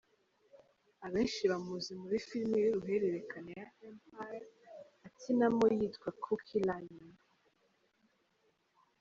Abenshi bamuzi muri film y’uruhererekane ya Empire, akinamo yitwa Cookie Lyon.